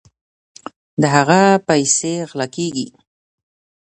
د هغه پیسې غلا کیږي.